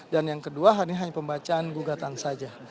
dan yang kedua hari ini hanya pembacaan gugatan saja